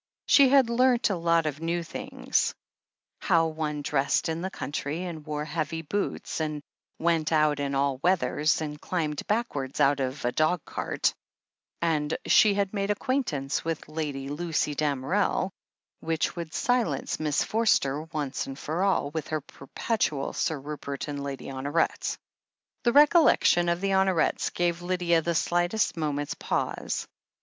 She had learnt a lot of new things — ^how one dressed in the country, and wore heavy boots, and went out in all weathers, and climbed backwards out of a dog cart, and she had made acquaintance with Lady Lucy Dam erel, which would silence Miss Forster, once and for all, with her perpetual "Sir Rupert and Lady Honoret." The recollection of the Honorets gave Lydia the slightest moment's pause.